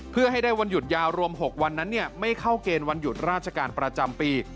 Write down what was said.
เพื่อให้ได้วันหยุดยาวรวม๖วันนั้นไม่เข้าเกณฑ์วันหยุดราชการประจำปี